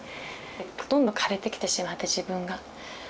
どんどんかれてきてしまって自分が。